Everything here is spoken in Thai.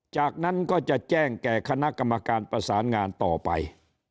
จากนั้นก็จะแจ้งแก่คณะกรรมการประสานงานต่อไป